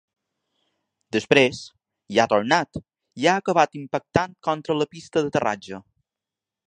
Després, hi ha tornat, i ha acabat impactant contra la pista d’aterratge.